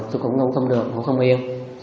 tôi cũng ngủ không được ngủ không yên